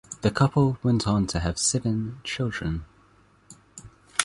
The couple went on to have seven children.